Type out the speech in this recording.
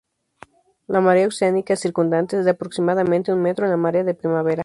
La marea oceánica circundante es de aproximadamente un metro en la marea de primavera.